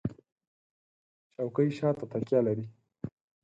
چوکۍ شاته تکیه لري.